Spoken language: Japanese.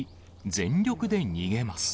全力で逃げます。